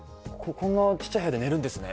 「こんなちっちゃい部屋で寝るんですね」